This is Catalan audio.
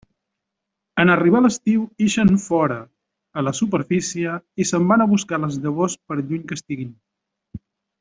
En arribar l'estiu ixen fora, a la superfície, i se'n van a buscar les llavors per lluny que estiguen.